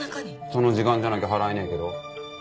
その時間じゃなきゃ払えねえけど。